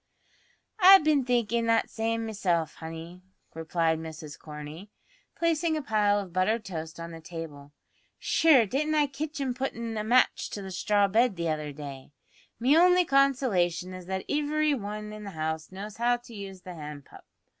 "I've bin thinkin' that same meself, honey," replied Mrs Corney, placing a pile of buttered toast on the table. "Shure didn't I kitch him puttin' a match to the straw bed the other day! Me only consolation is that ivery wan in the house knows how to use the hand pump.